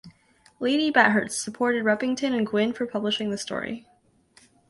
Lady Bathurst supported Repington and Gwynne for publishing the story.